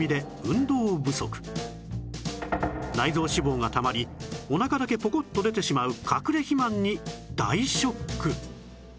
内臓脂肪がたまりお腹だけポコッと出てしまうかくれ肥満に大ショック！